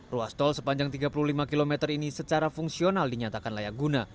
ruas tol sepanjang tiga puluh lima km ini secara fungsional dinyatakan layak guna